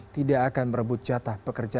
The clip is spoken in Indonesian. tidak akan merebut jatah pekerja